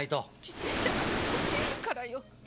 自転車なんか買うてやるからよ。